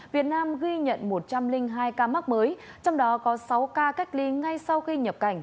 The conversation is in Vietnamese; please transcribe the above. việt nam ghi nhận một trăm linh hai ca mắc mới trong đó có sáu ca cách ly ngay sau khi nhập cảnh